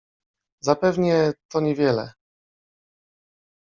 "Zapewnie, to nie wiele."